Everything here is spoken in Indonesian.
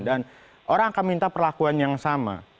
dan orang akan minta perlakuan yang sama